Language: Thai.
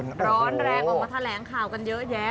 ร้อนแรงออกมาแถลงข่าวกันเยอะแยะ